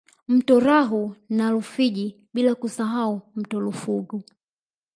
Mto Rau na Rufiji bila kusahau mto Rufugu